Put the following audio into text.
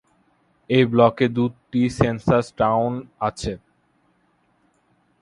এই ব্লকে দুটি সেন্সাস টাউন আছে।